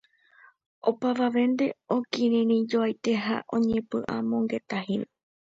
Opavavénte okirirĩjoaite ha oñepy'amongetáhína.